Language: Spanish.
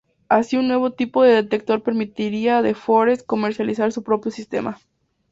Así un nuevo tipo de detector permitiría a De Forest comercializar su propio sistema.